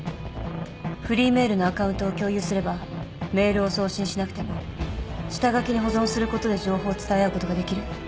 フリーメールのアカウントを共有すればメールを送信しなくても下書きに保存することで情報を伝え合うことができる。